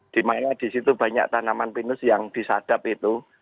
dimana di situ banyak tanaman pinus yang disadap itu